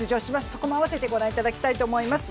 そこも合わせて御覧いただきたいと思います。